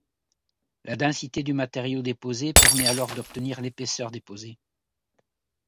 La densité du matériau déposé permet alors d'obtenir l'épaisseur déposée.